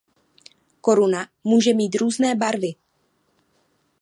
Koruna může mít různé barvy.